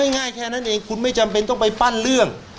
ง่ายแค่นั้นเองคุณไม่จำเป็นต้องไปปั้นเรื่อง